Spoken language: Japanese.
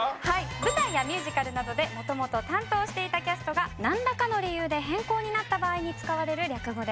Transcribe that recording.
舞台やミュージカルなどで元々担当していたキャストがなんらかの理由で変更になった場合に使われる略語です。